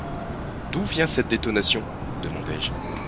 D’où vient cette détonation ? demandai-je.